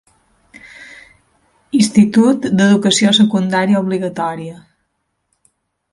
Institut d'Educació Secundària Obligatòria.